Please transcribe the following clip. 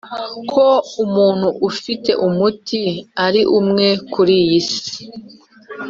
ko umuntu ufite umuti ari umwe kuriyi si!